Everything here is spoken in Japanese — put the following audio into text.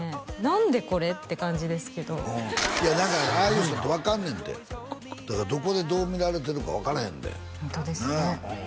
「何でこれ？」って感じですけどいやだからああいう人って分かんねんてだからどこでどう見られてるか分からへんでホントですね